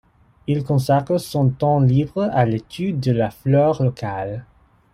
Il consacre son temps libre à l’étude de la flore locale.